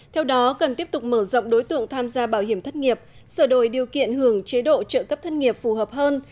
theo đó cần tiếp tục mở rộng đối tượng tham gia bảo hiểm thất nghiệp sửa đổi điều kiện hưởng chế độ trợ cấp thân nghiệp phù hợp hơn